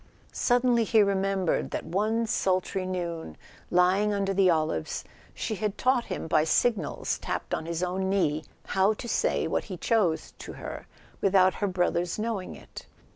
Suddenly he remembered that one sultry noon, lying under the olives, she had taught him, by signals tapped on his own knee, how to say what he chose to her with¬ out her brothers' knowing it.